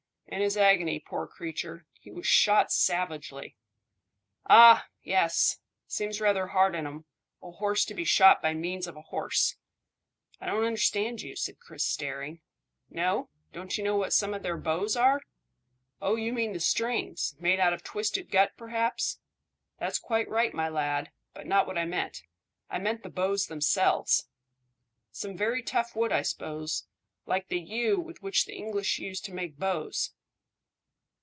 "In his agony, poor creature. He was shot savagely." "Ah! Yes. Seems rather hard on him a horse to be shot by means of a horse." "I don't understand you," said Chris, staring. "No? Don't you know what some of their bows are?" "Oh, you mean the strings. Made out of twisted gut, perhaps." "That's quite right, my lad, but not what I meant. I meant the bows themselves." "Some very tough wood, I suppose, like the yew with which the English used to make bows."